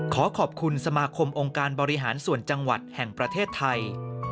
ขอขอบคุณสมาคมองค์การบริหารส่วนจังหวัดแห่งประเทศไทย